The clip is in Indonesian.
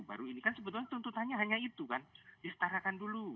baru ini kan sebetulnya tuntutannya hanya itu kan disetarakan dulu